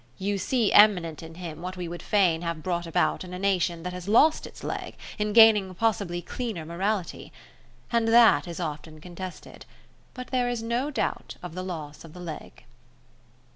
You see eminent in him what we would fain have brought about in a nation that has lost its leg in gaining a possibly cleaner morality. And that is often contested; but there is no doubt of the loss of the leg.